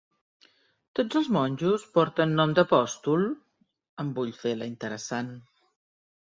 Tots els monjos porten nom d'apòstol? —em vull fer la interessant.